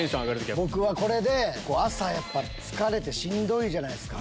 朝やっぱ疲れてしんどいじゃないですか。